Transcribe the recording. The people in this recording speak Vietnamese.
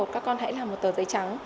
các con hãy làm một tờ giấy trắng